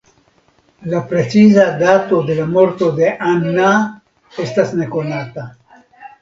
La preciza dato de la morto de Anna estas nekonata.